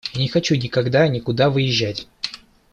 Я не хочу никогда никуда выезжать.